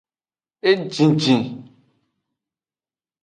Ejijin.